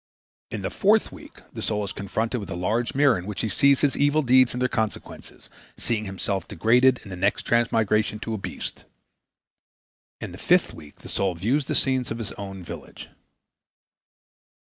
In the fourth week the soul is confronted with a large mirror in which he sees his evil deeds and their consequences, seeing himself degraded in the next transmigration to a beast. In the fifth week the soul views the scenes in his own village.